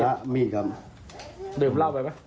ดื่มรับไหมอ่ะมีครับดื่มจะไม่ไหว